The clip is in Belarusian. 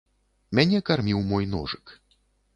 Мяне карміў мой ножык.